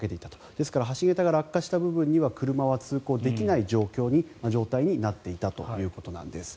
ですから橋桁が落下した部分には車が通行できない状態になっていたということです。